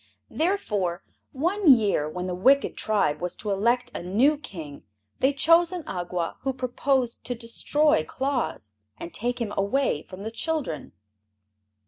Therefore, one year when the wicked tribe was to elect a new King, they chose an Awgwa who proposed to destroy Claus and take him away from the children.